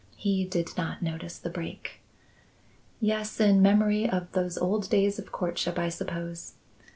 He did not notice the break. "Yes, in memory of those old days of courtship, I suppose.